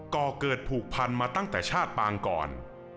ก่อเกิดผูกพันมาตั้งแต่ชาติปางก่อน